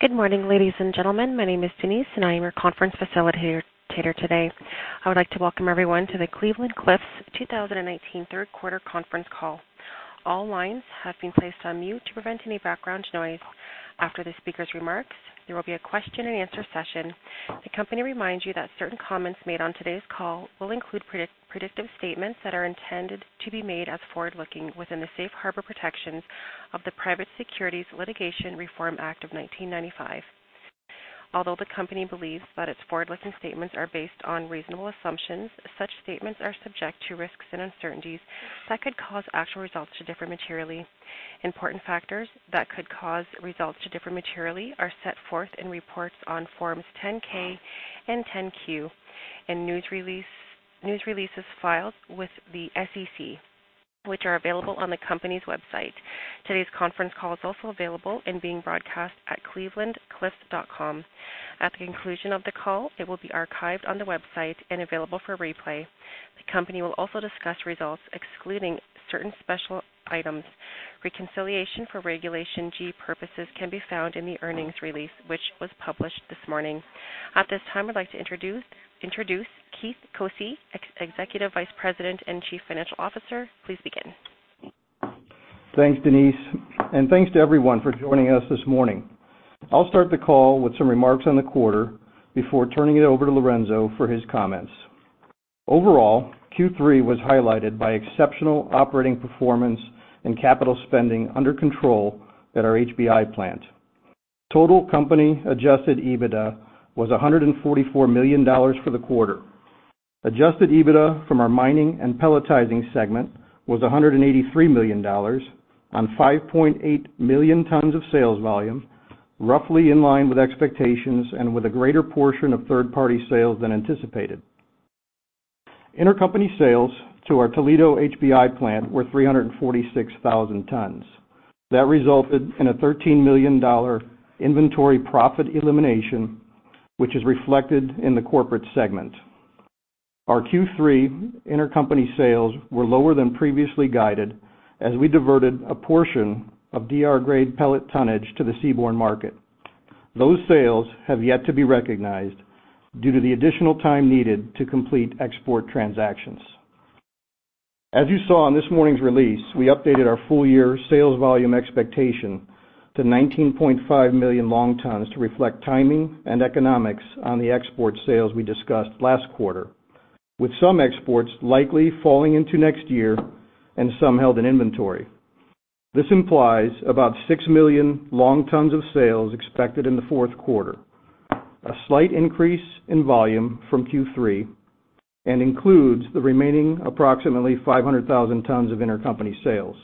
Good morning, ladies and gentlemen. My name is Denise, and I am your conference facilitator today. I would like to welcome everyone to The Cleveland-Cliffs 2019 third quarter conference call. All lines have been placed on mute to prevent any background noise. After the speaker's remarks, there will be a question and answer session. The company reminds you that certain comments made on today's call will include predictive statements that are intended to be made as forward-looking within the safe harbor protections of the Private Securities Litigation Reform Act of 1995. Although the company believes that its forward-looking statements are based on reasonable assumptions, such statements are subject to risks and uncertainties that could cause actual results to differ materially. Important factors that could cause results to differ materially are set forth in reports on Forms 10-K and 10-Q and news releases filed with the SEC, which are available on the company's website. Today's conference call is also available and being broadcast at clevelandcliffs.com. At the conclusion of the call, it will be archived on the website and available for replay. The company will also discuss results excluding certain special items. Reconciliation for Regulation G purposes can be found in the earnings release, which was published this morning. At this time, I'd like to introduce Keith Koci, Executive Vice President and Chief Financial Officer. Please begin. Thanks, Denise, and thanks to everyone for joining us this morning. I'll start the call with some remarks on the quarter before turning it over to Lourenco for his comments. Overall, Q3 was highlighted by exceptional operating performance and capital spending under control at our HBI plant. Total company adjusted EBITDA was $144 million for the quarter. Adjusted EBITDA from our Mining and Pelletizing segment was $183 million on 5.8 million tons of sales volume, roughly in line with expectations and with a greater portion of third-party sales than anticipated. Intercompany sales to our Toledo HBI plant were 346,000 tons. That resulted in a $13 million inventory profit elimination, which is reflected in the corporate segment. Our Q3 intercompany sales were lower than previously guided as we diverted a portion of DR grade pellet tonnage to the seaborne market. Those sales have yet to be recognized due to the additional time needed to complete export transactions. As you saw in this morning's release, we updated our full-year sales volume expectation to 19.5 million long tons to reflect timing and economics on the export sales we discussed last quarter, with some exports likely falling into next year and some held in inventory. This implies about 6 million long tons of sales expected in the fourth quarter, a slight increase in volume from Q3, and includes the remaining approximately 500,000 tons of intercompany sales.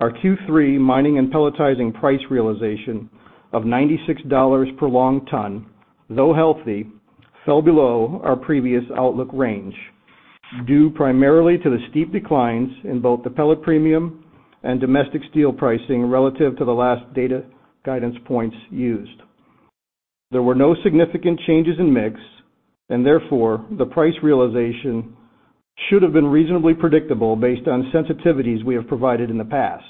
Our Q3 Mining and Pelletizing price realization of $96 per long ton, though healthy, fell below our previous outlook range, due primarily to the steep declines in both the pellet premium and domestic steel pricing relative to the last data guidance points used. There were no significant changes in mix, and therefore, the price realization should have been reasonably predictable based on sensitivities we have provided in the past.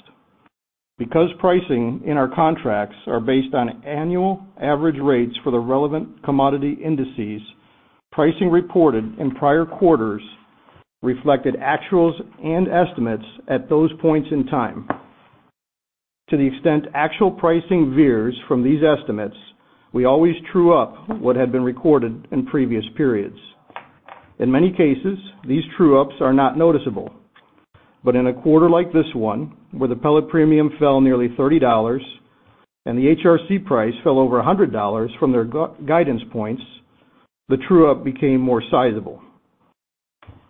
Because pricing in our contracts are based on annual average rates for the relevant commodity indices, pricing reported in prior quarters reflected actuals and estimates at those points in time. To the extent actual pricing veers from these estimates, we always true up what had been recorded in previous periods. In many cases, these true-ups are not noticeable. But in a quarter like this one, where the pellet premium fell nearly $30 and the HRC price fell over $100 from their guidance points, the true-up became more sizable.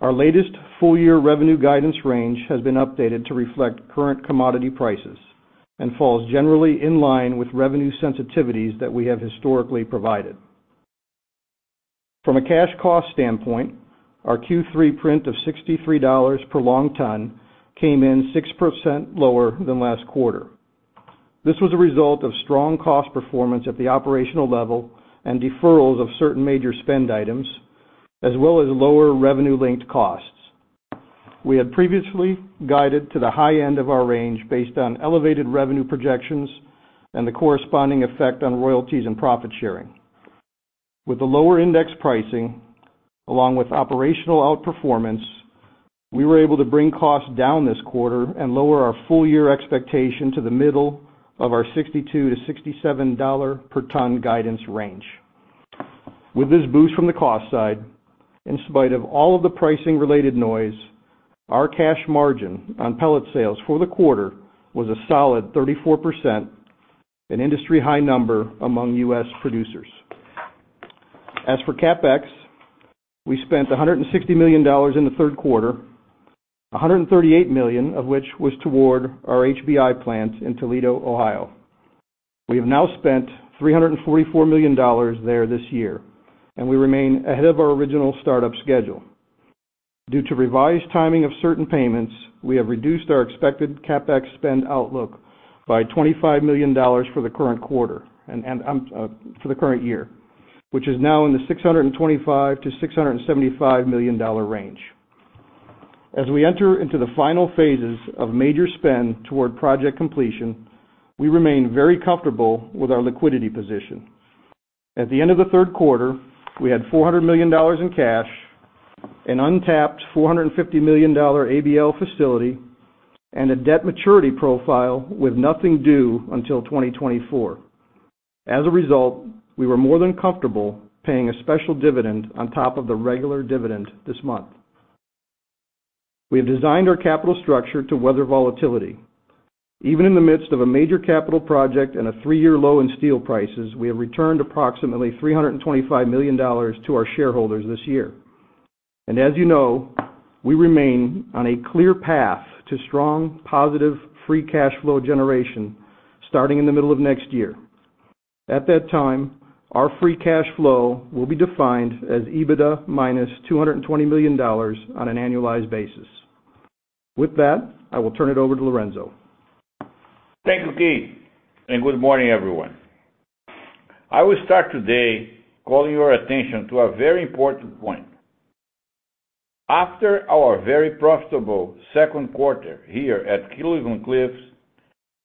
Our latest full-year revenue guidance range has been updated to reflect current commodity prices and falls generally in line with revenue sensitivities that we have historically provided. From a cash cost standpoint, our Q3 print of $63 per long ton came in 6% lower than last quarter. This was a result of strong cost performance at the operational level and deferrals of certain major spend items, as well as lower revenue-linked costs. We had previously guided to the high end of our range based on elevated revenue projections and the corresponding effect on royalties and profit sharing. With the lower index pricing, along with operational outperformance, we were able to bring costs down this quarter and lower our full-year expectation to the middle of our $62-$67 per ton guidance range. With this boost from the cost side, in spite of all of the pricing-related noise, our cash margin on pellet sales for the quarter was a solid 34%, an industry high number among U.S. producers. As for CapEx, we spent $160 million in the third quarter, $138 million of which was toward our HBI plant in Toledo, Ohio. We have now spent $344 million there this year. We remain ahead of our original startup schedule. Due to revised timing of certain payments, we have reduced our expected CapEx spend outlook by $25 million for the current year, which is now in the $625 million-$675 million range. As we enter into the final phases of major spend toward project completion, we remain very comfortable with our liquidity position. At the end of the third quarter, we had $400 million in cash, an untapped $450 million ABL facility, and a debt maturity profile with nothing due until 2024. As a result, we were more than comfortable paying a special dividend on top of the regular dividend this month. We have designed our capital structure to weather volatility. Even in the midst of a major capital project and a 3-year low in steel prices, we have returned approximately $325 million to our shareholders this year. As you know, we remain on a clear path to strong, positive, free cash flow generation starting in the middle of next year. At that time, our free cash flow will be defined as EBITDA minus $220 million on an annualized basis. With that, I will turn it over to Lourenco. Thank you, Keith, and good morning, everyone. I will start today calling your attention to a very important point. After our very profitable second quarter here at Cleveland-Cliffs,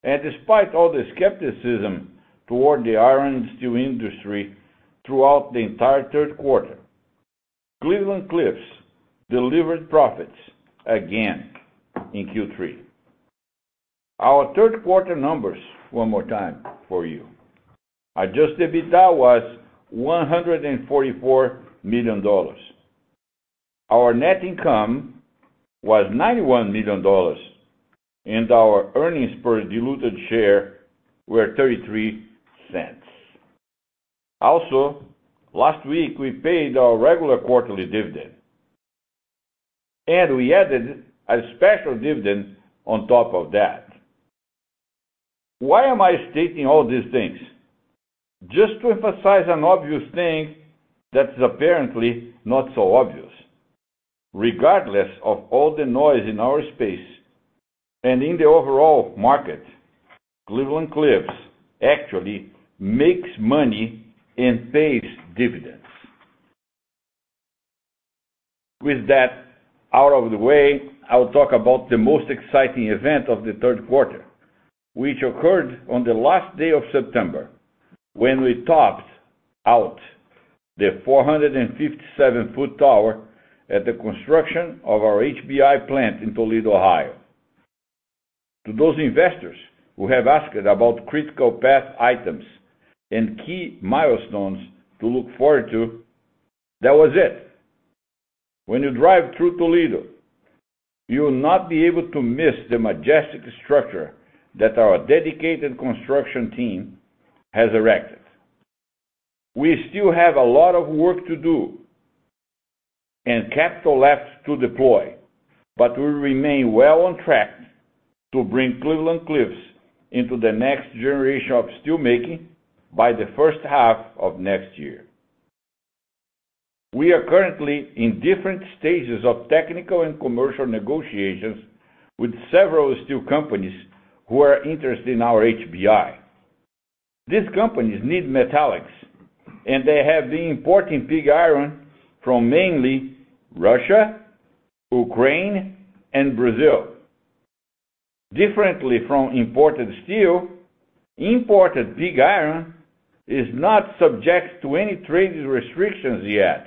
and despite all the skepticism toward the iron and steel industry throughout the entire third quarter, Cleveland-Cliffs delivered profits again in Q3. Our third quarter numbers one more time for you. Adjusted EBITDA was $144 million. Our net income was $91 million, and our earnings per diluted share were $0.33. Last week, we paid our regular quarterly dividend, and we added a special dividend on top of that. Why am I stating all these things? Just to emphasize an obvious thing that is apparently not so obvious. Regardless of all the noise in our space and in the overall market, Cleveland-Cliffs actually makes money and pays dividends. With that out of the way, I will talk about the most exciting event of the third quarter, which occurred on the last day of September, when we topped out the 457-foot tower at the construction of our HBI plant in Toledo, Ohio. To those investors who have asked about critical path items and key milestones to look forward to, that was it. When you drive through Toledo, you will not be able to miss the majestic structure that our dedicated construction team has erected. We still have a lot of work to do and capital left to deploy, but we remain well on track to bring Cleveland-Cliffs into the next generation of steelmaking by the first half of next year. We are currently in different stages of technical and commercial negotiations with several steel companies who are interested in our HBI. These companies need metallics, and they have been importing pig iron from mainly Russia, Ukraine, and Brazil. Differently from imported steel, imported pig iron is not subject to any trade restrictions yet.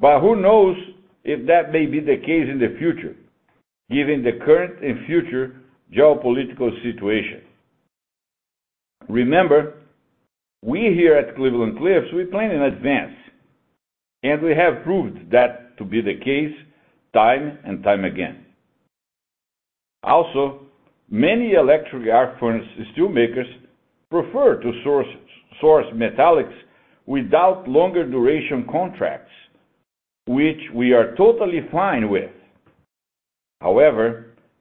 Who knows if that may be the case in the future, given the current and future geopolitical situation. Remember, we here at Cleveland-Cliffs, we plan in advance, and we have proved that to be the case time and time again. Many electric arc furnace steelmakers prefer to source metallics without longer duration contracts, which we are totally fine with.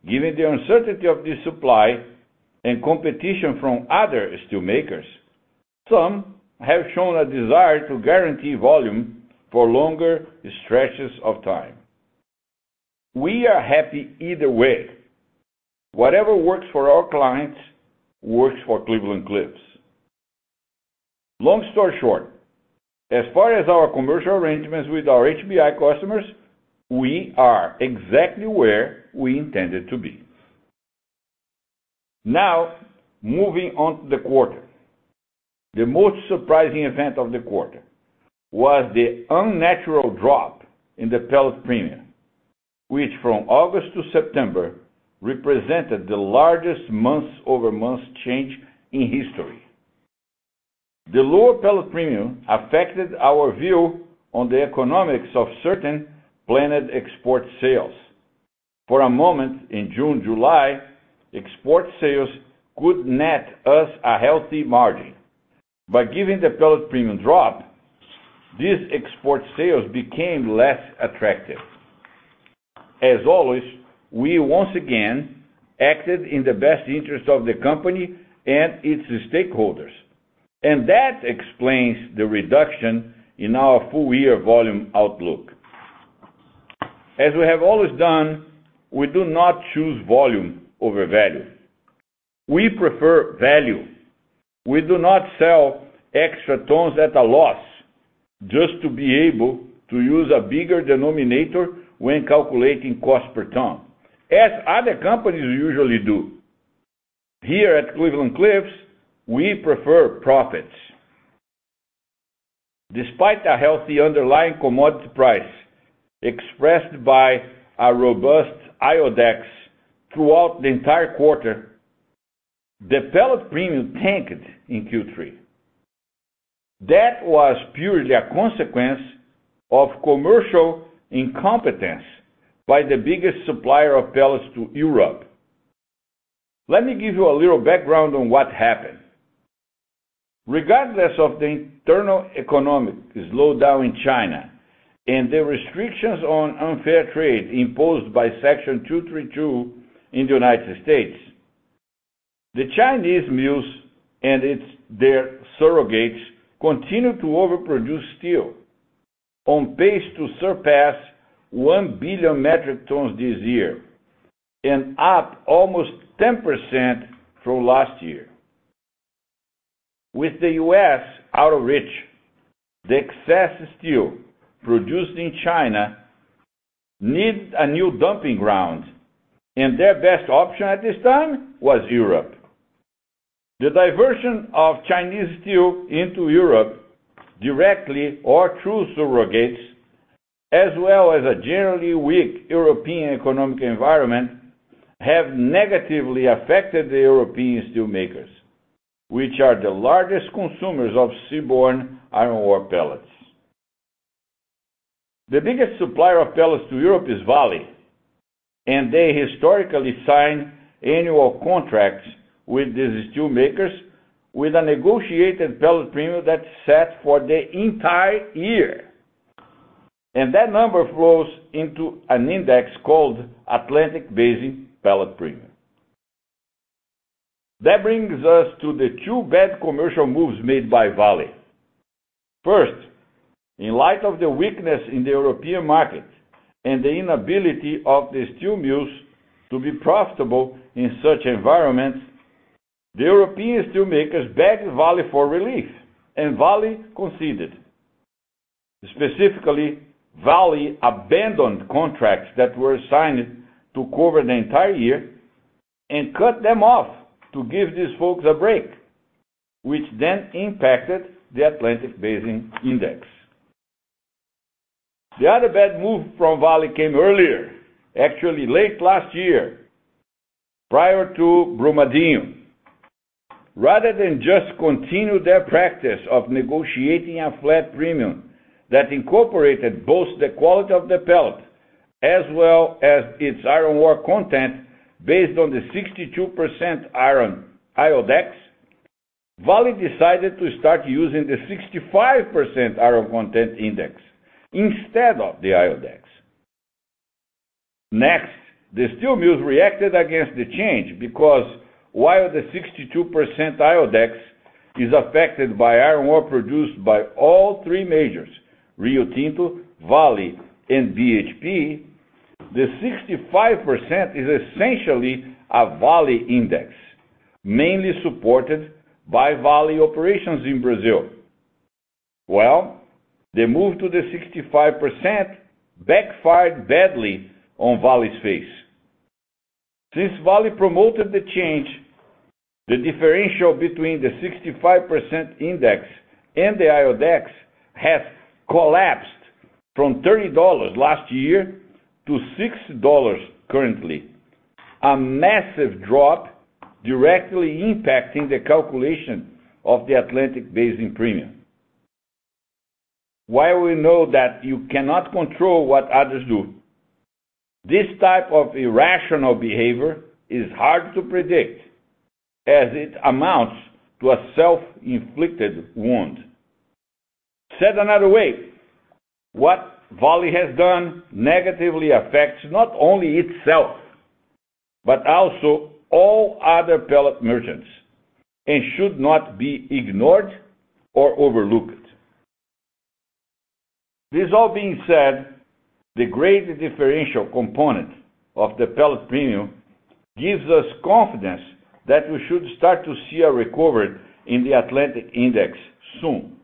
Given the uncertainty of this supply and competition from other steelmakers, some have shown a desire to guarantee volume for longer stretches of time. We are happy either way. Whatever works for our clients works for Cleveland-Cliffs. Long story short, as far as our commercial arrangements with our HBI customers, we are exactly where we intended to be. Moving on to the quarter. The most surprising event of the quarter was the unnatural drop in the pellet premium, which from August to September represented the largest months-over-months change in history. The lower pellet premium affected our view on the economics of certain planned export sales. For a moment in June, July, export sales could net us a healthy margin. Given the pellet premium drop, these export sales became less attractive. As always, we once again acted in the best interest of the company and its stakeholders, and that explains the reduction in our full year volume outlook. As we have always done, we do not choose volume over value. We prefer value. We do not sell extra tons at a loss just to be able to use a bigger denominator when calculating cost per ton, as other companies usually do. Here at Cleveland-Cliffs, we prefer profits. Despite a healthy underlying commodity price expressed by a robust IODEX throughout the entire quarter, the pellet premium tanked in Q3. That was purely a consequence of commercial incompetence by the biggest supplier of pellets to Europe. Let me give you a little background on what happened. Regardless of the internal economic slowdown in China and the restrictions on unfair trade imposed by Section 232 in the United States, the Chinese mills and their surrogates continue to overproduce steel on pace to surpass 1 billion metric tons this year, and up almost 10% from last year. With the U.S. out of reach, the excess steel produced in China needs a new dumping ground, and their best option at this time was Europe. The diversion of Chinese steel into Europe, directly or through surrogates, as well as a generally weak European economic environment, have negatively affected the European steelmakers, which are the largest consumers of seaborne iron ore pellets. The biggest supplier of pellets to Europe is Vale, and they historically sign annual contracts with the steelmakers with a negotiated pellet premium that's set for the entire year, and that number flows into an index called Atlantic Basin Pellet Premium. That brings us to the two bad commercial moves made by Vale. First, in light of the weakness in the European market and the inability of the steel mills to be profitable in such environments, the European steelmakers begged Vale for relief, and Vale conceded. Specifically, Vale abandoned contracts that were signed to cover the entire year and cut them off to give these folks a break, which impacted the Atlantic Basin Index. The other bad move from Vale came earlier, actually late last year, prior to Brumadinho. Rather than just continue their practice of negotiating a flat premium that incorporated both the quality of the pellet as well as its iron ore content based on the 62% iron IODEX, Vale decided to start using the 65% iron content index instead of the IODEX. The steel mills reacted against the change because while the 62% IODEX is affected by iron ore produced by all three majors, Rio Tinto, Vale, and BHP, the 65% is essentially a Vale index, mainly supported by Vale operations in Brazil. Well, the move to the 65% backfired badly on Vale's face. Since Vale promoted the change, the differential between the 65% index and the IODEX has collapsed from $30 last year to $6 currently. A massive drop directly impacting the calculation of the Atlantic Basin Premium. While we know that you cannot control what others do, this type of irrational behavior is hard to predict, as it amounts to a self-inflicted wound. Said another way, what Vale has done negatively affects not only itself, but also all other pellet merchants and should not be ignored or overlooked. This all being said, the great differential component of the pellet premium gives us confidence that we should start to see a recovery in the Atlantic index soon.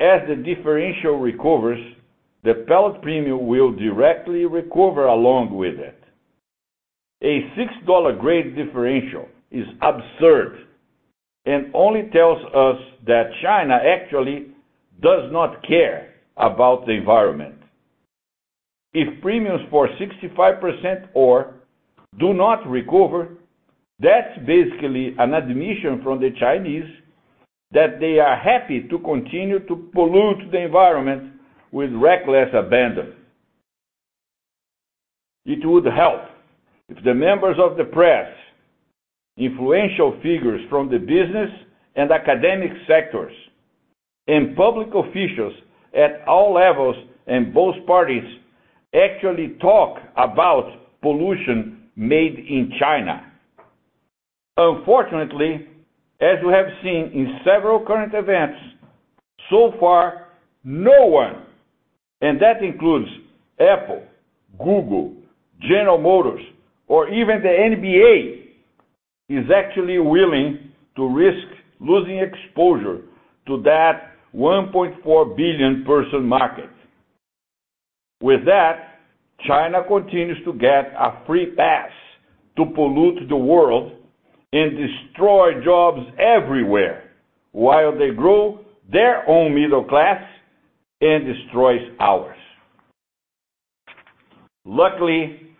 As the differential recovers, the pellet premium will directly recover along with it. A $6 grade differential is absurd and only tells us that China actually does not care about the environment. If premiums for 65% ore do not recover, that's basically an admission from the Chinese that they are happy to continue to pollute the environment with reckless abandon. It would help if the members of the press, influential figures from the business and academic sectors, and public officials at all levels and both parties actually talk about pollution made in China. Unfortunately, as we have seen in several current events, so far, no one. That includes Apple, Google, General Motors, or even the NBA is actually willing to risk losing exposure to that 1.4 billion person market. With that, China continues to get a free pass to pollute the world and destroy jobs everywhere while they grow their own middle class and destroys ours. Luckily,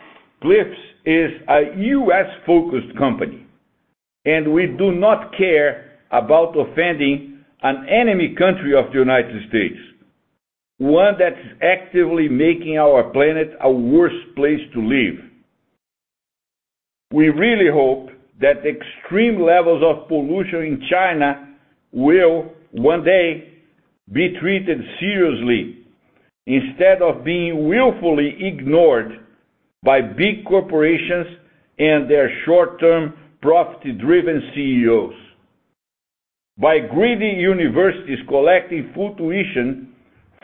Cleveland-Cliffs is a U.S.-focused company, and we do not care about offending an enemy country of the United States, one that's actively making our planet a worse place to live. We really hope that extreme levels of pollution in China will one day be treated seriously instead of being willfully ignored by big corporations and their short-term, profit-driven CEOs, by greedy universities collecting full tuition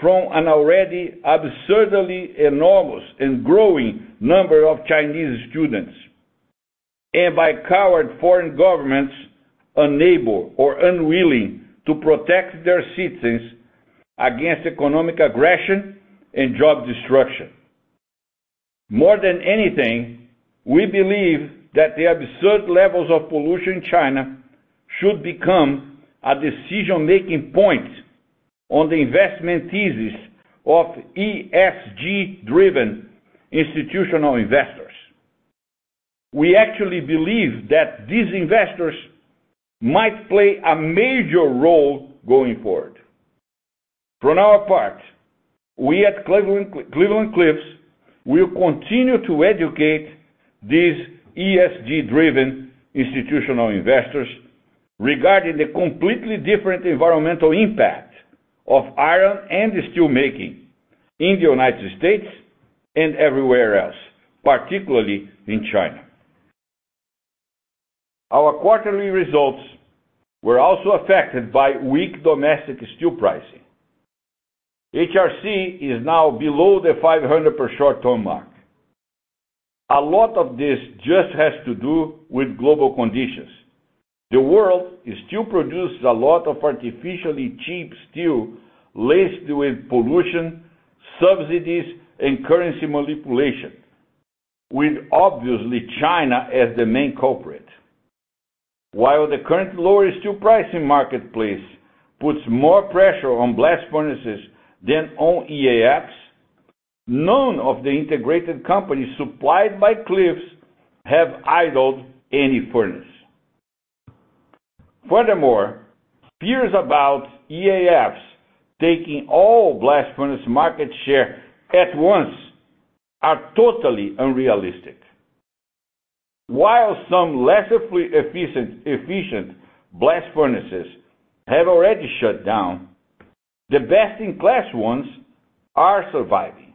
from an already absurdly enormous and growing number of Chinese students, and by coward foreign governments unable or unwilling to protect their citizens against economic aggression and job destruction. More than anything, we believe that the absurd levels of pollution in China should become a decision-making point on the investment thesis of ESG-driven institutional investors. We actually believe that these investors might play a major role going forward. From our part, we at Cleveland-Cliffs will continue to educate these ESG-driven institutional investors regarding the completely different environmental impact of iron and steel making in the United States and everywhere else, particularly in China. Our quarterly results were also affected by weak domestic steel pricing. HRC is now below the $500 per short ton mark. A lot of this just has to do with global conditions. The world still produces a lot of artificially cheap steel laced with pollution, subsidies, and currency manipulation, with obviously China as the main culprit. While the current lower steel pricing marketplace puts more pressure on blast furnaces than on EAFs, none of the integrated companies supplied by Cliffs have idled any furnace. Furthermore, fears about EAFs taking all blast furnace market share at once are totally unrealistic. While some lesser efficient blast furnaces have already shut down, the best-in-class ones are surviving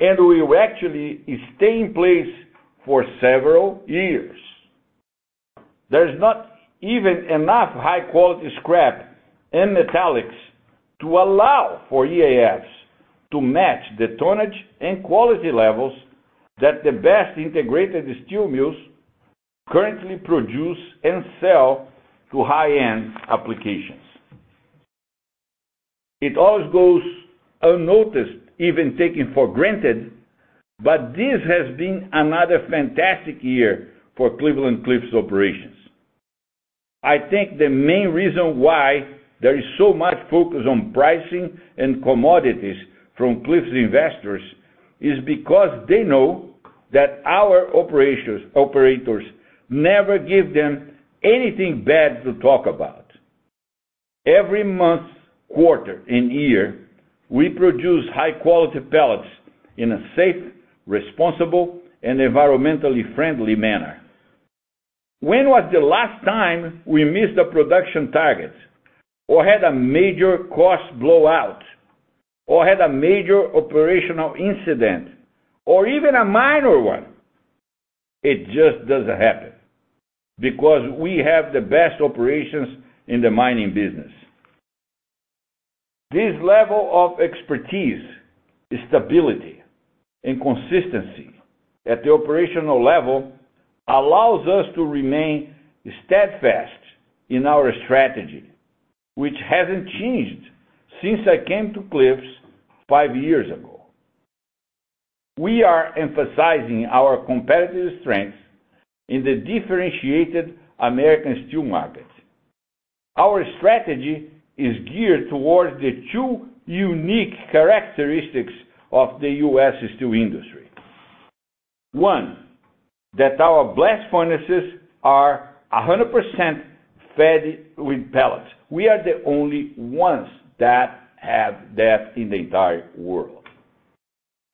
and will actually stay in place for several years. There's not even enough high-quality scrap and metallics to allow for EAFs to match the tonnage and quality levels that the best integrated steel mills currently produce and sell to high-end applications. It always goes unnoticed, even taken for granted, but this has been another fantastic year for Cleveland-Cliffs operations. I think the main reason why there is so much focus on pricing and commodities from Cliffs investors is because they know that our operators never give them anything bad to talk about. Every month, quarter, and year, we produce high-quality pellets in a safe, responsible, and environmentally friendly manner. When was the last time we missed a production target or had a major cost blowout or had a major operational incident, or even a minor one? It just doesn't happen because we have the best operations in the mining business. This level of expertise, stability, and consistency at the operational level allows us to remain steadfast in our strategy, which hasn't changed since I came to Cliffs five years ago. We are emphasizing our competitive strengths in the differentiated American steel market. Our strategy is geared towards the two unique characteristics of the U.S. steel industry. One, that our blast furnaces are 100% fed with pellets. We are the only ones that have that in the entire world.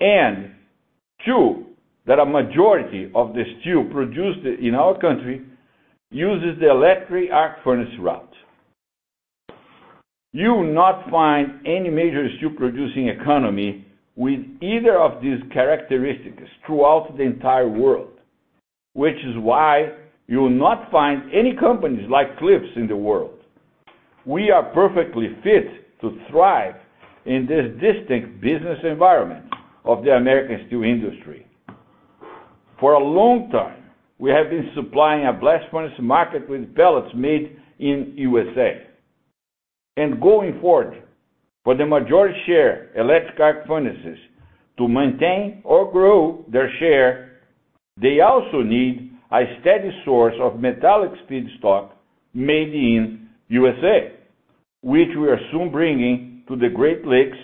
Two, that a majority of the steel produced in our country uses the electric arc furnace route. You will not find any major steel-producing economy with either of these characteristics throughout the entire world. Which is why you will not find any companies like Cliffs in the world. We are perfectly fit to thrive in this distinct business environment of the American steel industry. For a long time, we have been supplying a blast furnace market with pellets made in USA. Going forward, for the majority share electric arc furnaces to maintain or grow their share, they also need a steady source of metallic feedstock made in USA, which we are soon bringing to the Great Lakes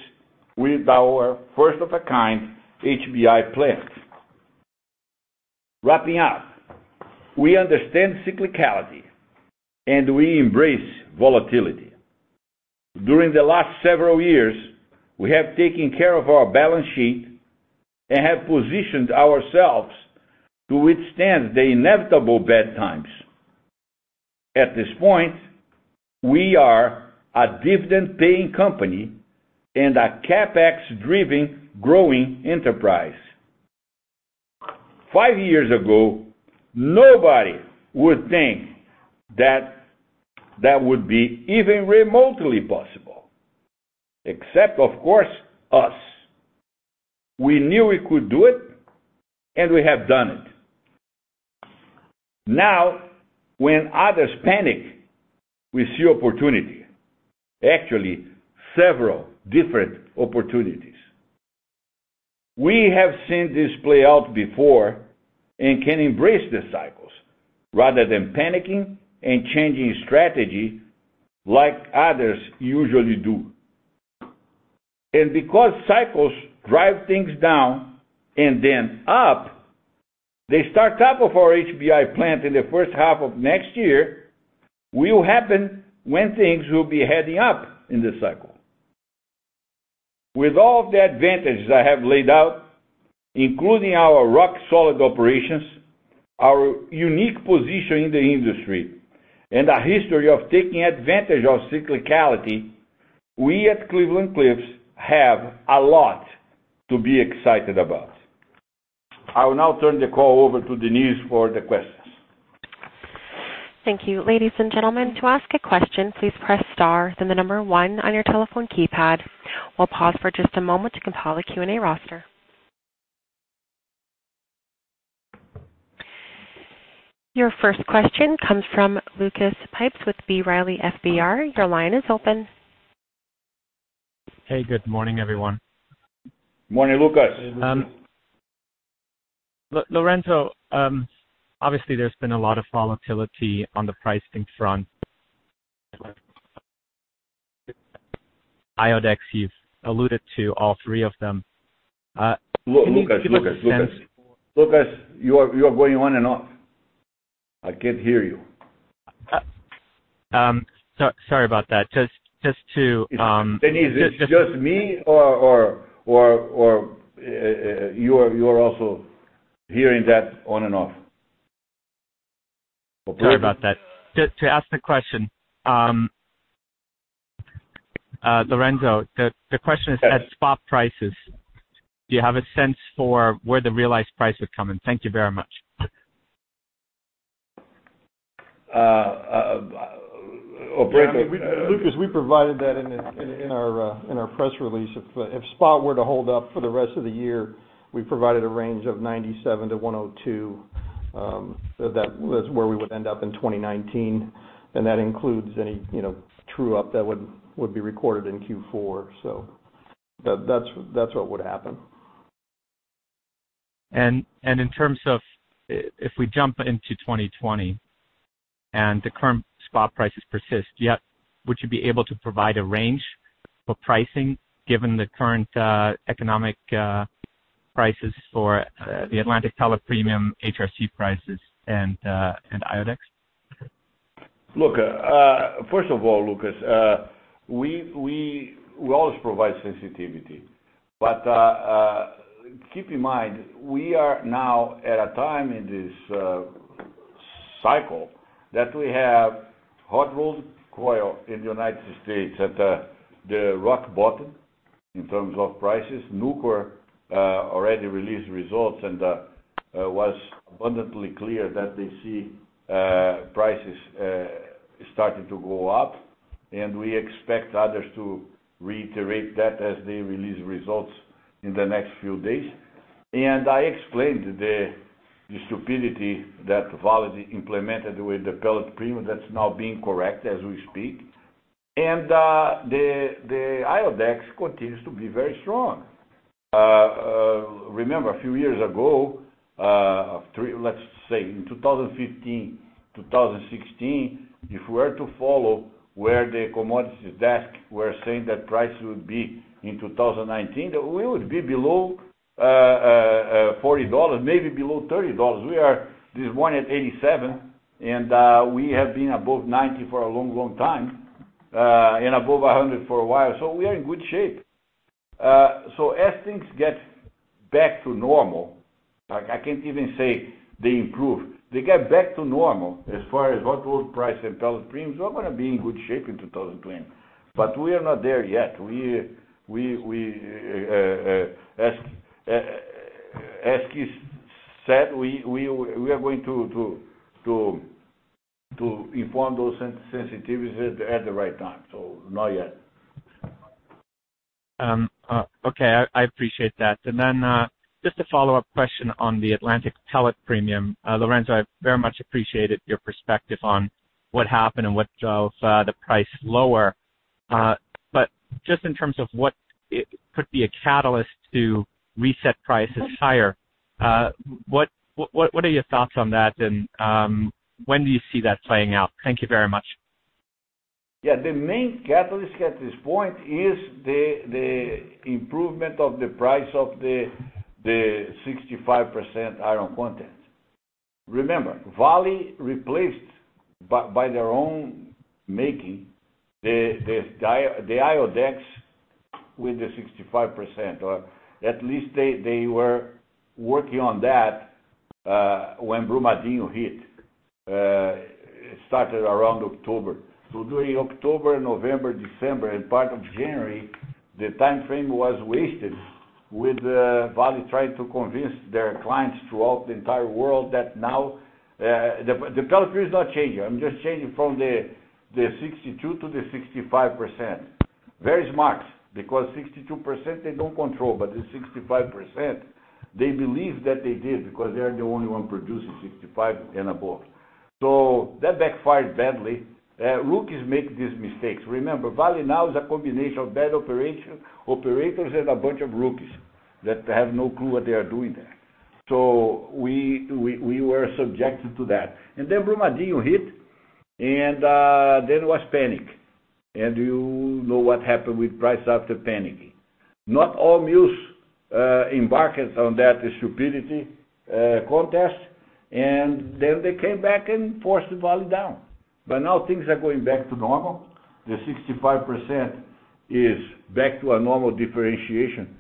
with our first of a kind HBI plant. Wrapping up, we understand cyclicality, and we embrace volatility. During the last several years, we have taken care of our balance sheet and have positioned ourselves to withstand the inevitable bad times. At this point, we are a dividend-paying company and a CapEx-driven, growing enterprise. Five years ago, nobody would think that that would be even remotely possible, except, of course, us. We knew we could do it, and we have done it. When others panic, we see opportunity. Actually, several different opportunities. We have seen this play out before and can embrace the cycles rather than panicking and changing strategy like others usually do. Because cycles drive things down and then up, the start type of our HBI plant in the first half of next year will happen when things will be heading up in the cycle. With all the advantages I have laid out, including our rock-solid operations, our unique position in the industry, and a history of taking advantage of cyclicality, we at Cleveland-Cliffs have a lot to be excited about. I will now turn the call over to Denise for the questions. Thank you. Ladies and gentlemen, to ask a question, please press star then the number 1 on your telephone keypad. We'll pause for just a moment to compile a Q&A roster. Your first question comes from Lucas Pipes with B. Riley FBR. Your line is open. Hey, good morning, everyone. Morning, Lucas. Hey, Lucas. Lourenco, obviously there's been a lot of volatility on the pricing front. IODEX, you've alluded to all three of them. Can you give us a sense? Lucas. You are going on and off. I can't hear you. Sorry about that. Denise, is it just me or you are also hearing that on and off? Sorry about that. To ask the question. Lourenco, the question is at spot prices, do you have a sense for where the realized price is coming? Thank you very much. Brent. Lucas, we provided that in our press release. If spot were to hold up for the rest of the year, we provided a range of $97 to $102. That's where we would end up in 2019, and that includes any true-up that would be recorded in Q4. That's what would happen. In terms of if we jump into 2020 and the current spot prices persist, would you be able to provide a range for pricing given the current economic prices for the Atlantic pellet premium HRC prices and IODEX? First of all, Lucas, we always provide sensitivity. Keep in mind, we are now at a time in this cycle that we have hot-rolled coil in the U.S. at the rock bottom in terms of prices. Nucor already released results, and was abundantly clear that they see prices starting to go up, and we expect others to reiterate that as they release results in the next few days. I explained the stupidity that Vale implemented with the pellet premium that's now being corrected as we speak. The IODEX continues to be very strong. Remember, a few years ago, let's say in 2015, 2016, if we were to follow where the commodities desk were saying that price would be in 2019, we would be below $40, maybe below $30. This one at $87, and we have been above $90 for a long time, and above $100 for a while. We are in good shape. As things get back to normal, I can't even say they improve. They get back to normal as far as hot rolled price and pellet premiums, we're going to be in good shape in 2020. We are not there yet. We, as Keith said, we are going to inform those sensitivities at the right time. Not yet. Okay. I appreciate that. Just a follow-up question on the Atlantic Pellet Premium. Lourenco, I very much appreciated your perspective on what happened and what drove the price lower. Just in terms of what could be a catalyst to reset prices higher, what are your thoughts on that, and when do you see that playing out? Thank you very much. Yeah. The main catalyst at this point is the improvement of the price of the 65% iron content. Remember, Vale replaced, by their own making, the IODEX with the 65%, or at least they were working on that when Brumadinho hit. It started around October. During October, November, December and part of January, the timeframe was wasted with Vale trying to convince their clients throughout the entire world that now the pellet is not changing. I'm just changing from the 62% to the 65%. Very smart, because 62% they don't control, but the 65%, they believe that they did, because they're the only one producing 65% and above. That backfired badly. Rookies make these mistakes. Remember, Vale now is a combination of bad operators and a bunch of rookies that have no clue what they are doing there. We were subjected to that. Brumadinho hit, there was panic. You know what happened with price after panicking. Not all mills embarked on that stupidity contest, they came back and forced the Vale down. Things are going back to normal. The 65% is back to a normal differentiation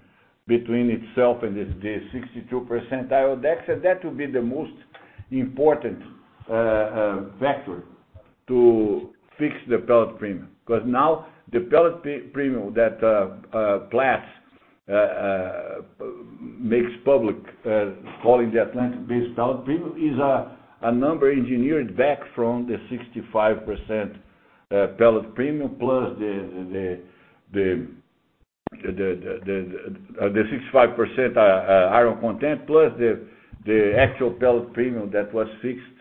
between itself and the 62% IODEX, that will be the most important factor to fix the pellet premium. The pellet premium that Platts makes public, calling the Atlantic-based Pellet Premium, is a number engineered back from the 65% pellet premium plus the 65% iron content, plus the actual pellet premium that was fixed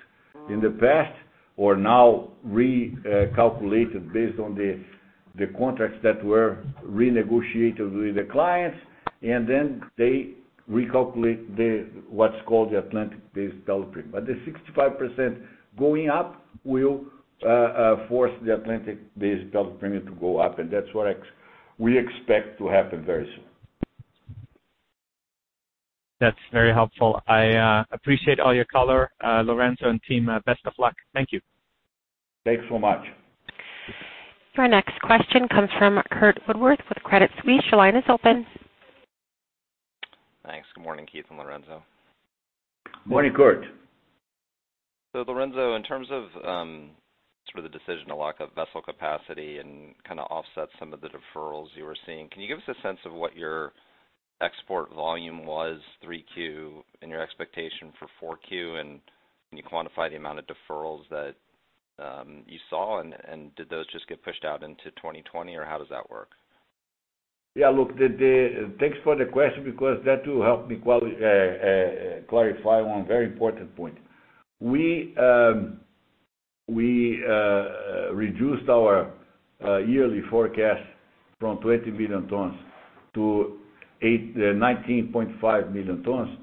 in the past, or now recalculated based on the contracts that were renegotiated with the clients, they recalculate what's called the Atlantic-based Pellet Premium. The 65% going up will force the Atlantic Basin Pellet Premium to go up, and that's what we expect to happen very soon. That's very helpful. I appreciate all your color, Lourenco and team. Best of luck. Thank you. Thanks so much. Our next question comes from Curtis Woodworth with Credit Suisse. Your line is open. Thanks. Good morning, Keith and Lourenco. Morning, Curt. Lourenco, in terms of sort of the decision to lock up vessel capacity and kind of offset some of the deferrals you were seeing, can you give us a sense of what your export volume was 3Q, and your expectation for 4Q? Can you quantify the amount of deferrals that you saw, and did those just get pushed out into 2020, or how does that work? Yeah. Look, thanks for the question because that will help me clarify one very important point. We reduced our yearly forecast from 20 million tons to 19.5 million tons,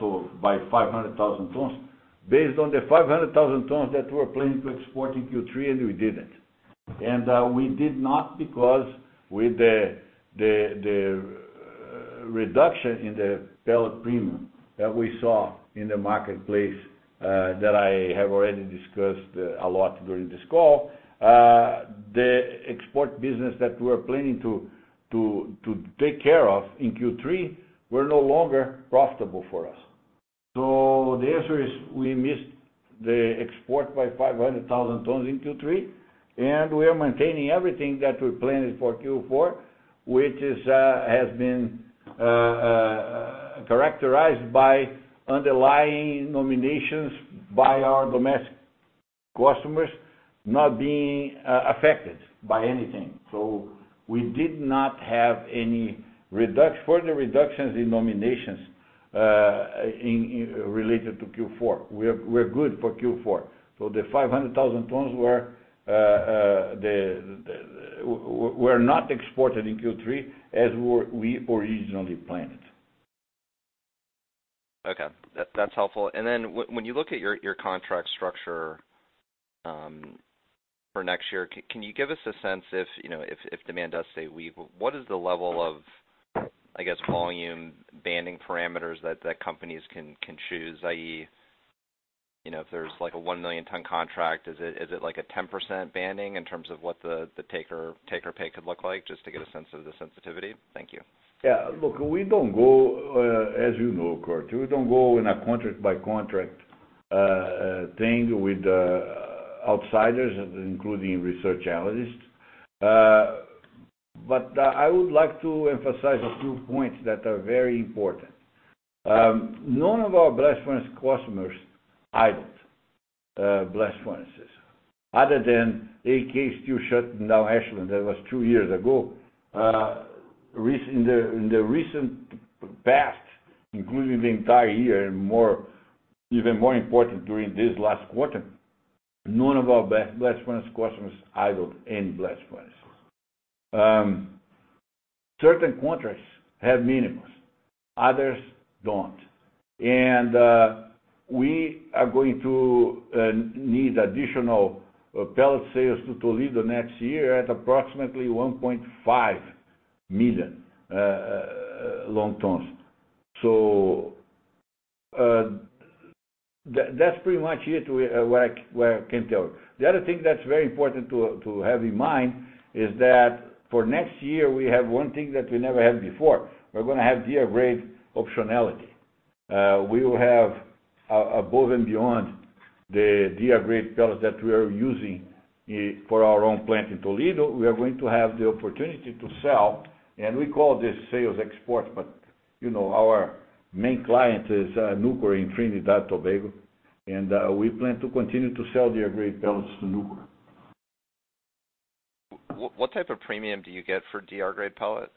so by 500,000 tons, based on the 500,000 tons that we were planning to export in Q3, and we didn't. We did not because with the reduction in the pellet premium that we saw in the marketplace, that I have already discussed a lot during this call, the export business that we were planning to take care of in Q3 were no longer profitable for us. The answer is, we missed the export by 500,000 tons in Q3, and we are maintaining everything that we planned for Q4, which has been characterized by underlying nominations by our domestic customers not being affected by anything. We did not have any further reductions in nominations related to Q4. We're good for Q4. The 500,000 tons were not exported in Q3 as we originally planned. Okay. That's helpful. When you look at your contract structure for next year, can you give us a sense if demand does stay weak, what is the level of, I guess, volume banding parameters that companies can choose, i.e., if there's like a 1 million ton contract, is it like a 10% banding in terms of what the take or pay could look like? Just to get a sense of the sensitivity. Thank you. Yeah. Look, as you know, Curt, we don't go in a contract-by-contract thing with the outsiders, including research analysts. I would like to emphasize a few points that are very important. None of our blast furnace customers idled blast furnaces. Other than AK Steel shutting down Ashland, that was two years ago. In the recent past, including the entire year, and even more important, during this last quarter, none of our blast furnace customers idled any blast furnaces. Certain contracts have minimums, others don't. We are going to need additional pellet sales to Toledo next year at approximately 1.5 million long tons. That's pretty much it, what I can tell you. The other thing that's very important to have in mind is that for next year, we have one thing that we never had before. We're going to have DR grade optionality. We will have above and beyond the DR grade pellets that we are using for our own plant in Toledo. We are going to have the opportunity to sell, and we call this sales export, but our main client is Nucor in Trinidad and Tobago, and we plan to continue to sell DR grade pellets to Nucor. What type of premium do you get for DR grade pellet?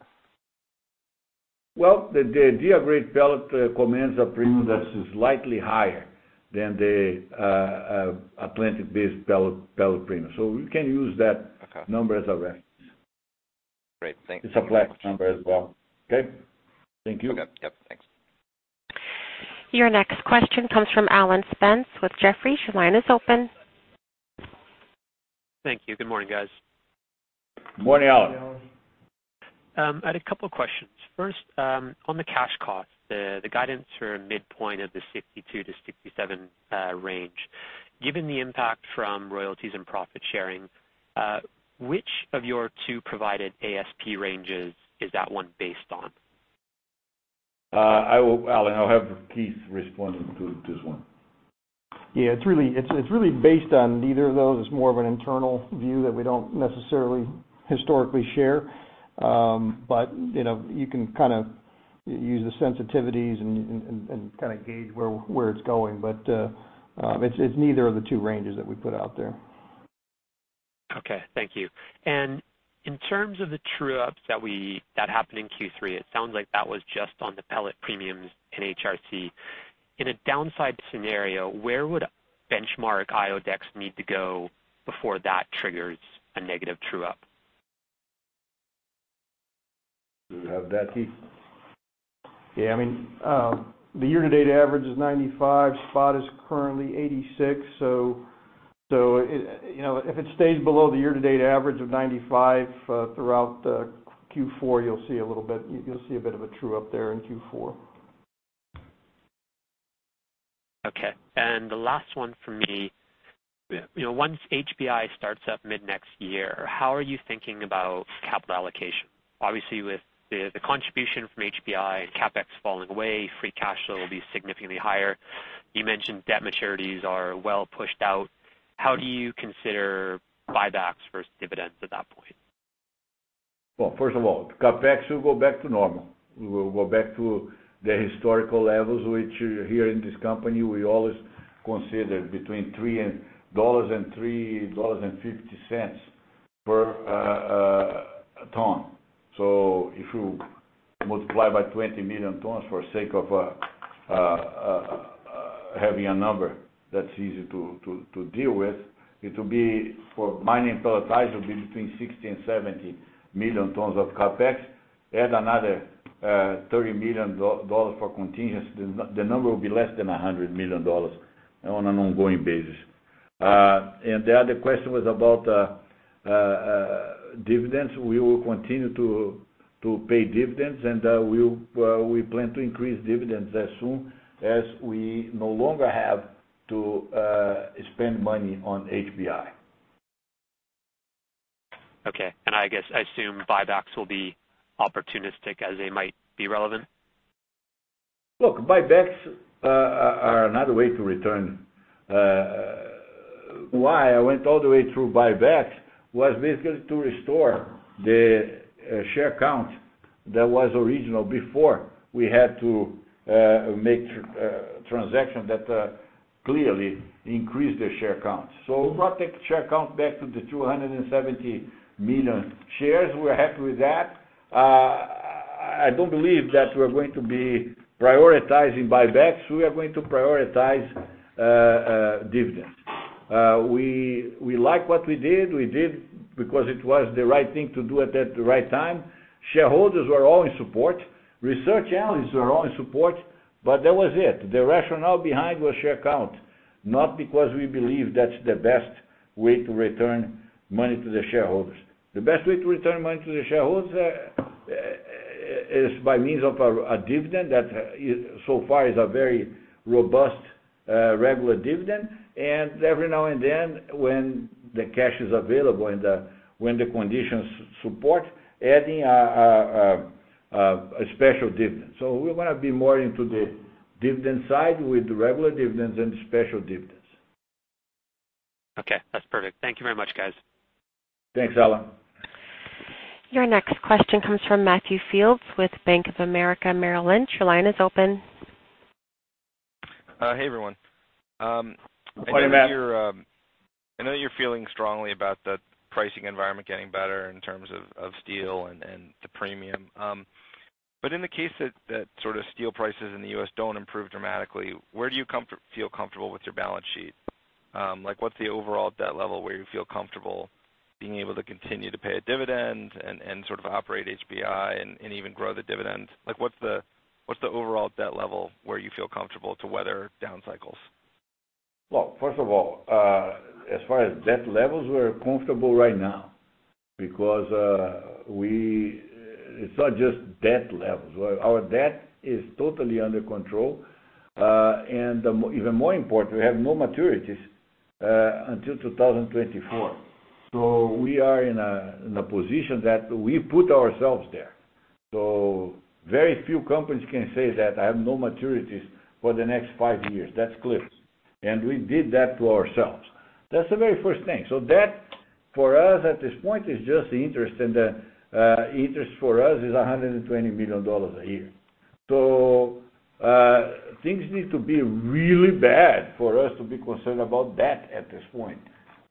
The DR grade pellet commands a premium that is slightly higher than the Atlantic Basin Pellet Premium. Okay number as a reference. Great. Thank you. It's a flat number as well. Okay? Thank you. Okay. Yep. Thanks. Your next question comes from Alan Spence with Jefferies. Your line is open. Thank you. Good morning, guys. Morning, Alan. Morning, Alan. I had a couple questions. First, on the cash cost, the guidance for a midpoint of the $62-$67 range. Given the impact from royalties and profit sharing, which of your two provided ASP ranges is that one based on? Alan, I'll have Keith respond to this one. Yeah, it's really based on neither of those. It's more of an internal view that we don't necessarily historically share. You can kind of use the sensitivities and kind of gauge where it's going. It's neither of the two ranges that we put out there. Okay. Thank you. In terms of the true-ups that happened in Q3, it sounds like that was just on the pellet premiums in HRC. In a downside scenario, where would benchmark IODEX need to go before that triggers a negative true-up? Do you have that, Keith? Yeah. The year-to-date average is $95, spot is currently $86. If it stays below the year-to-date average of $95 throughout Q4, you'll see a bit of a true-up there in Q4. Okay. The last one from me. Once HBI starts up mid-next year, how are you thinking about capital allocation? Obviously, with the contribution from HBI and CapEx falling away, free cash flow will be significantly higher. You mentioned debt maturities are well pushed out. How do you consider buybacks versus dividends at that point? Well, first of all, CapEx will go back to normal. Will go back to the historical levels, which here in this company, we always consider between $3 and $3.50 per ton. If you multiply by 20 million tons for sake of having a number that's easy to deal with, it'll be for Mining and Pelletizing will be between 60 and 70 million tons of CapEx. Add another $30 million for contingency. The number will be less than $100 million on an ongoing basis. The other question was about dividends. We will continue to pay dividends, and we plan to increase dividends as soon as we no longer have to spend money on HBI. Okay. I guess, I assume buybacks will be opportunistic as they might be relevant? Look, buybacks are another way to return. Why I went all the way through buybacks was basically to restore the share count that was original before we had to make transaction that clearly increased the share count. We brought the share count back to the 270 million shares. We're happy with that. I don't believe that we're going to be prioritizing buybacks. We are going to prioritize dividends. We like what we did. We did it because it was the right thing to do at that right time. Shareholders were all in support, research analysts were all in support, but that was it. The rationale behind was share count, not because we believe that's the best way to return money to the shareholders. The best way to return money to the shareholders is by means of a dividend that so far is a very robust, regular dividend. Every now and then, when the cash is available and when the conditions support adding a special dividend. We want to be more into the dividend side with the regular dividends and special dividends. Okay, that's perfect. Thank you very much, guys. Thanks, Alan. Your next question comes from Matthew Fields with Bank of America Merrill Lynch. Your line is open. Hey, everyone. Hi, Matt. I know you're feeling strongly about the pricing environment getting better in terms of steel and the premium. In the case that sort of steel prices in the U.S. don't improve dramatically, where do you feel comfortable with your balance sheet? Like, what's the overall debt level where you feel comfortable being able to continue to pay a dividend and sort of operate HBI and even grow the dividend? What's the overall debt level where you feel comfortable to weather down cycles? Well, first of all, as far as debt levels, we're comfortable right now because it's not just debt levels. Our debt is totally under control, and even more important, we have no maturities until 2024. We are in a position that we put ourselves there. Very few companies can say that I have no maturities for the next five years. That's clear. We did that to ourselves. That's the very first thing. That for us at this point is just the interest, and the interest for us is $120 million a year. Things need to be really bad for us to be concerned about that at this point,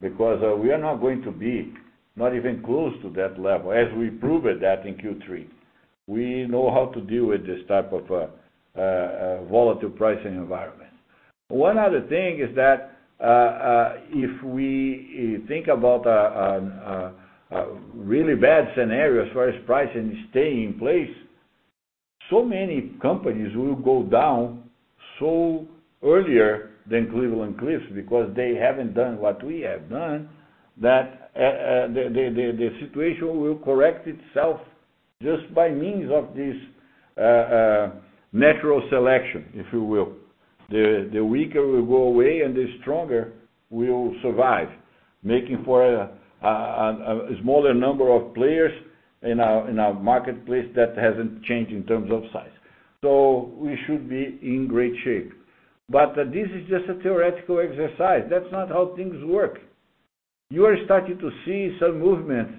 because we are not going to be not even close to that level as we proved that in Q3. We know how to deal with this type of a volatile pricing environment. One other thing is that, if we think about a really bad scenario as far as pricing staying in place, so many companies will go down so earlier than Cleveland-Cliffs because they haven't done what we have done, that the situation will correct itself just by means of this natural selection, if you will. The weaker will go away, and the stronger will survive, making for a smaller number of players in our marketplace that hasn't changed in terms of size. We should be in great shape. This is just a theoretical exercise. That's not how things work. You are starting to see some movement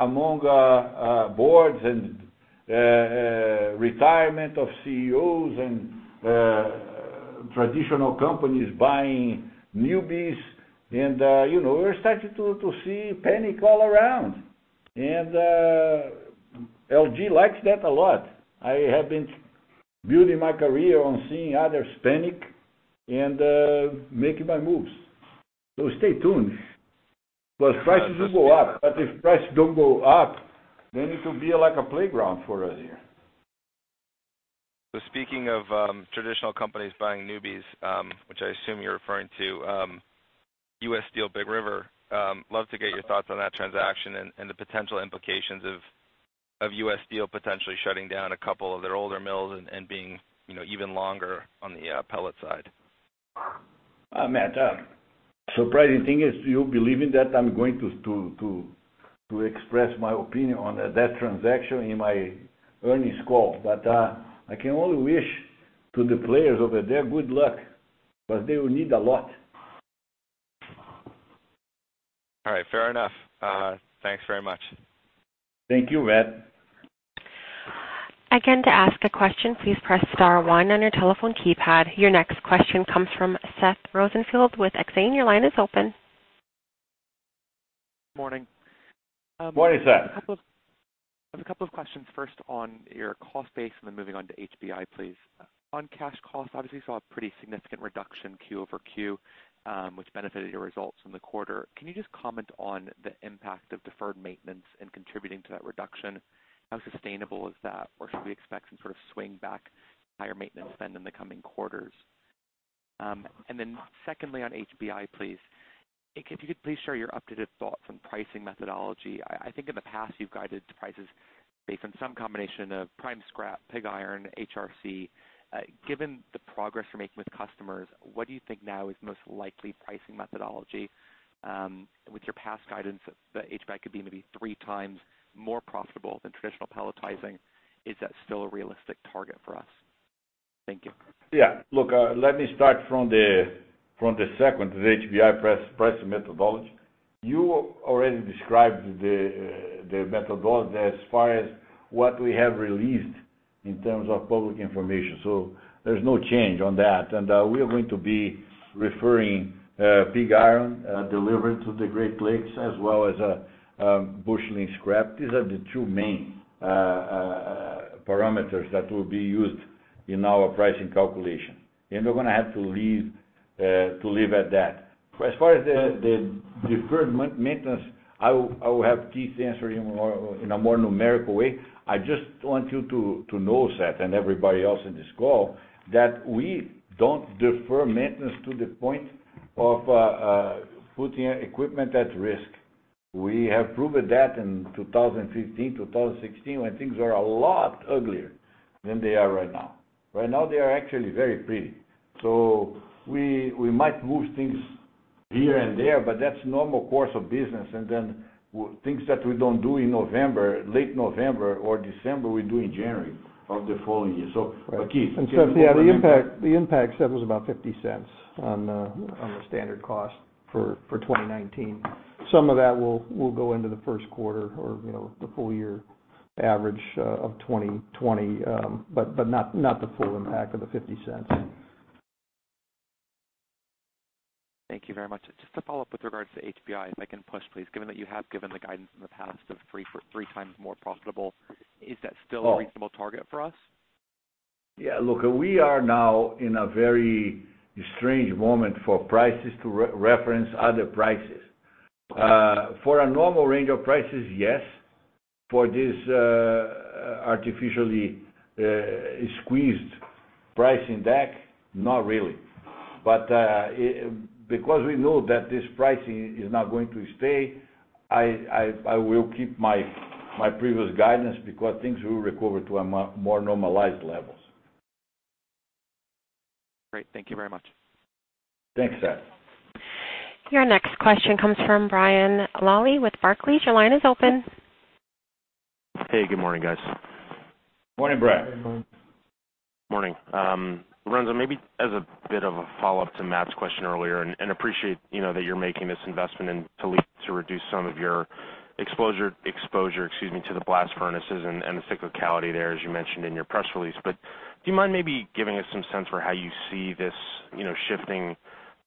among boards and retirement of CEOs and traditional companies buying newbies and we're starting to see panic all around. LG likes that a lot. I have been building my career on seeing others panic and making my moves. Stay tuned because prices will go up. If prices don't go up, then it will be like a playground for us here. Speaking of traditional companies buying newbies, which I assume you're referring to, U.S. Steel, Big River Steel, love to get your thoughts on that transaction and the potential implications of U.S. Steel potentially shutting down a couple of their older mills and being even longer on the pellet side. Matt, surprising thing is you believing that I'm going to express my opinion on that transaction in my earnings call. I can only wish to the players over there good luck, but they will need a lot. All right. Fair enough. Thanks very much. Thank you, Matt. Again, to ask a question, please press star one on your telephone keypad. Your next question comes from Seth Rosenfeld with Exane. Your line is open. Morning. Morning, Seth. I have a couple of questions first on your cost base and then moving on to HBI, please. On cash costs, obviously you saw a pretty significant reduction quarter-over-quarter, which benefited your results in the quarter. Can you just comment on the impact of deferred maintenance and contributing to that reduction? How sustainable is that? Should we expect some sort of swing back higher maintenance spend in the coming quarters? Secondly, on HBI, please. If you could please share your updated thoughts on pricing methodology. I think in the past you've guided to prices based on some combination of prime scrap, pig iron, HRC. Given the progress you're making with customers, what do you think now is the most likely pricing methodology, with your past guidance that HBI could be maybe three times more profitable than traditional pelletizing, is that still a realistic target for us? Thank you. Look, let me start from the second, the HBI price methodology. You already described the methodology as far as what we have released in terms of public information. There's no change on that. We are going to be referring pig iron delivered to the Great Lakes as well as busheling scrap. These are the two main parameters that will be used in our pricing calculation. We are going to have to leave it at that. As far as the deferred maintenance, I will have Keith answer in a more numerical way. I just want you to know, Seth, and everybody else in this call, that we don't defer maintenance to the point of putting equipment at risk. We have proven that in 2015, 2016, when things were a lot uglier than they are right now. Right now, they are actually very pretty. We might move things here and there, but that's normal course of business. Things that we don't do in November, late November or December, we do in January of the following year. Keith. Seth, yeah, the impact, Seth, was about $0.50 on the standard cost for 2019. Some of that will go into the first quarter or the full-year average of 2020. Not the full impact of the $0.50. Thank you very much. Just to follow up with regards to HBI, if I can push, please. Given that you have given the guidance in the past of three times more profitable, is that still a reasonable target for us? Yeah. Look, we are now in a very strange moment for prices to reference other prices. For a normal range of prices, yes. For this artificially squeezed pricing deck, not really. Because we know that this pricing is not going to stay, I will keep my previous guidance because things will recover to a more normalized level. Great. Thank you very much. Thanks, Seth. Your next question comes from [Brian Lalli] with Barclays. Your line is open. Hey, good morning, guys. Morning, Brian. Morning. Morning. Lourenco, maybe as a bit of a follow-up to Matt's question earlier, appreciate that you're making this investment in Toledo to reduce some of your exposure to the blast furnaces and the cyclicality there, as you mentioned in your press release. Do you mind maybe giving us some sense for how you see this shifting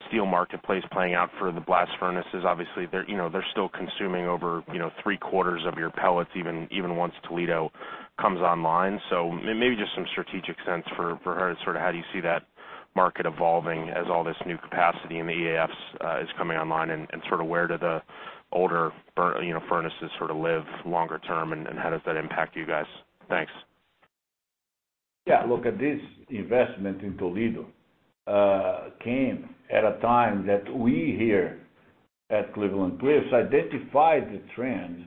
steel marketplace playing out for the blast furnaces? Obviously, they're still consuming over three-quarters of your pellets, even once Toledo comes online. Maybe just some strategic sense for how you see that market evolving as all this new capacity in the EAFs is coming online, and where do the older furnaces live longer term, and how does that impact you guys? Thanks. Look, this investment in Toledo came at a time that we here at Cleveland-Cliffs identified the trend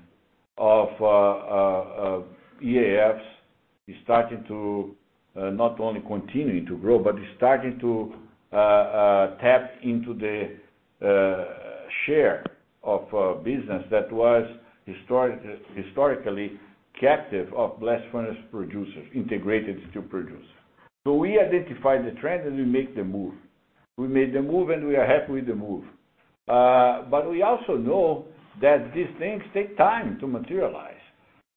of EAFs is starting to not only continuing to grow, but is starting to tap into the share of business that was historically captive of blast furnace producers, integrated steel producers. We identified the trend, we make the move. We made the move, we are happy with the move. We also know that these things take time to materialize.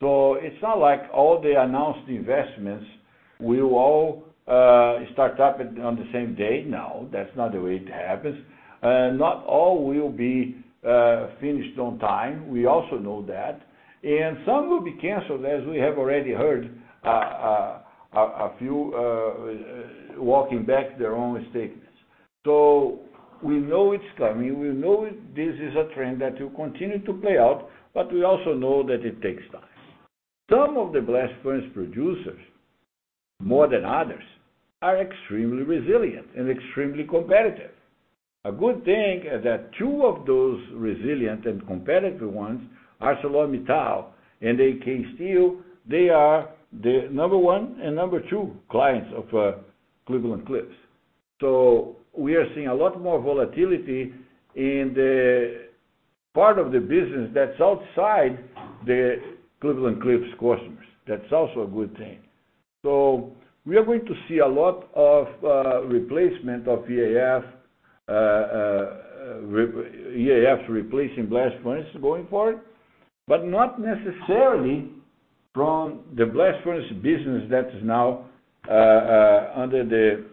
It's not like all the announced investments will all start up on the same day. No, that's not the way it happens. Not all will be finished on time, we also know that. Some will be canceled, as we have already heard a few walking back their own statements. We know it's coming. We know this is a trend that will continue to play out, but we also know that it takes time. Some of the blast furnace producers, more than others, are extremely resilient and extremely competitive. A good thing is that two of those resilient and competitive ones, ArcelorMittal and AK Steel, they are the number one and number two clients of Cleveland-Cliffs. We are seeing a lot more volatility in the part of the business that's outside the Cleveland-Cliffs customers. That's also a good thing. We are going to see a lot of replacement of EAF replacing blast furnaces going forward, but not necessarily from the blast furnace business that is now under the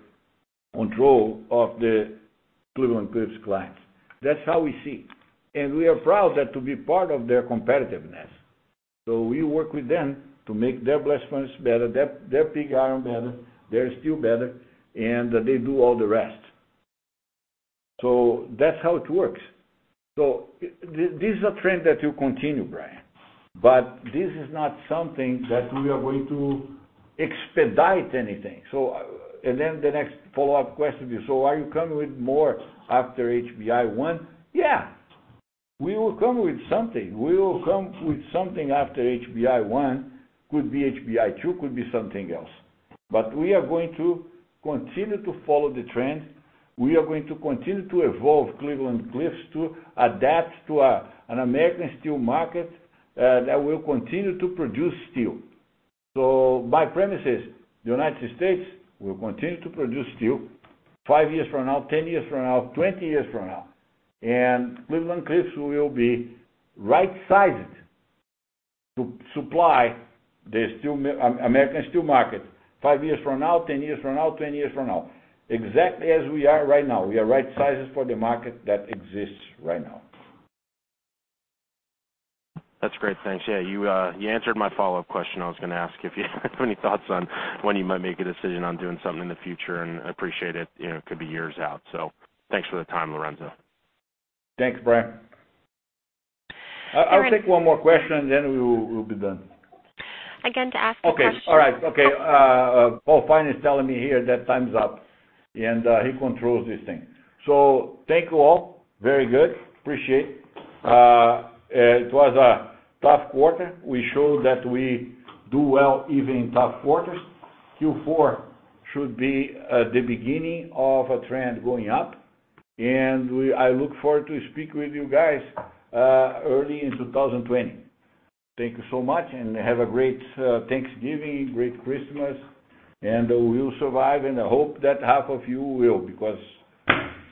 control of the Cleveland-Cliffs clients. That's how we see it. We are proud to be part of their competitiveness. We work with them to make their blast furnace better, their pig iron better, their steel better, and they do all the rest. That's how it works. This is a trend that will continue, Brian. This is not something that we are going to expedite anything. The next follow-up question is, are you coming with more after HBI one? Yeah. We will come with something. We will come with something after HBI one. Could be HBI two, could be something else. We are going to continue to follow the trend. We are going to continue to evolve Cleveland-Cliffs to adapt to an American steel market that will continue to produce steel. My premise is the United States will continue to produce steel five years from now, 10 years from now, 20 years from now. Cleveland-Cliffs will be right-sized to supply the American steel market five years from now, 10 years from now, 20 years from now. Exactly as we are right now. We are right-sized for the market that exists right now. That's great. Thanks. Yeah, you answered my follow-up question I was going to ask you. If you had any thoughts on when you might make a decision on doing something in the future, and I appreciate it. It could be years out. Thanks for the time, Lourenco. Thanks, Brian Lawley. Aaron- I'll take one more question, then we'll be done. Again, to ask a question. Okay. All right. Okay. Paul Finan is telling me here that time's up, and he controls this thing. Thank you all, very good. Appreciate. It was a tough quarter. We showed that we do well even in tough quarters. Q4 should be the beginning of a trend going up, and I look forward to speak with you guys early in 2020. Thank you so much, and have a great Thanksgiving, great Christmas, and we will survive, and I hope that half of you will, because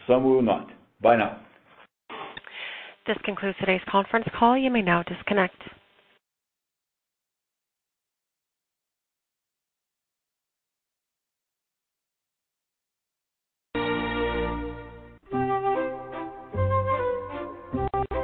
some will not. Bye now. This concludes today's conference call. You may now disconnect.